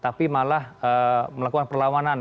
tapi malah melakukan perlawanan